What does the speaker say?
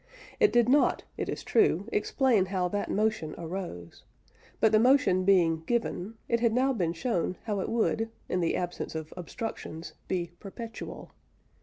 It did not, it is true, explain how that motion arose; but the motion being "given," it had now been shown how it would, in the absence of obstructions, be perpetual.